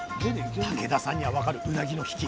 竹田さんには分かるうなぎの引き。